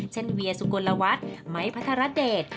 เช่นเวียสุโกนลวัฒน์ไม้พระธรเดช